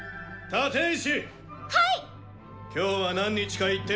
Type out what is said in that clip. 立石！